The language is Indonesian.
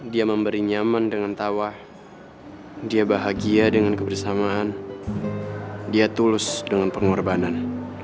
dia memberi nyaman dengan tawah dia bahagia dengan kebersamaan dia tulus dengan pengorbanan